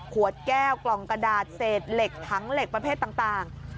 ขวดแก้วกล่องกระดาษเศษเหล็กถังเหล็กประเภทต่าง